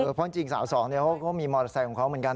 เพราะจริงสาวสองเขาก็มีมอเตอร์ไซค์ของเขาเหมือนกัน